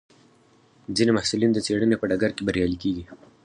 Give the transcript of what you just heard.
ځینې محصلین د څېړنې په ډګر کې بریالي کېږي.